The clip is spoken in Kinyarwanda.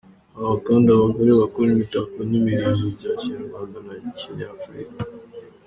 Haba kandi abagore bakora imitako n’imirimbo bya Kinyarwanda na Kinyafurika.